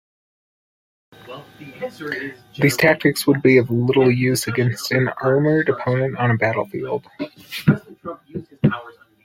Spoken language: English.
These tactics would be of little use against an armored opponent on a battlefield.